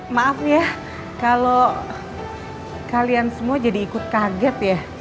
maaf ya kalau kalian semua jadi ikut kaget ya